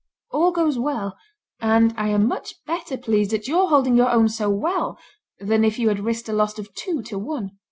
All goes well; and I am much better pleased at your holding your own so well than if you had risked a loss of two to one.